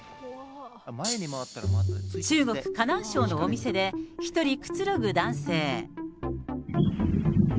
中国・河南省のお店で、一人くつろぐ男性。